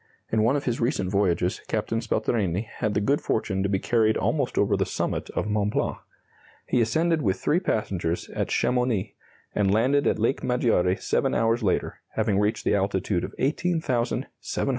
In one of his recent voyages Captain Spelterini had the good fortune to be carried almost over the summit of Mont Blanc. He ascended with three passengers at Chamounix, and landed at Lake Maggiore seven hours later, having reached the altitude of 18,700 feet, and travelled 93 miles.